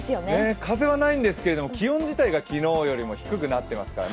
風はないんですけど、気温自体が、昨日よりも低くなってますからね